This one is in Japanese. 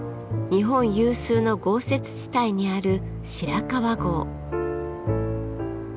日本有数の豪雪地帯にある白川郷。